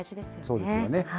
そうですよね。